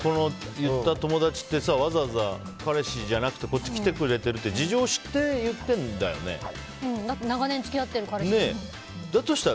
言った友達ってわざわざ彼氏じゃなくてこっち来てくれてるって長年付き合ってる彼氏だから。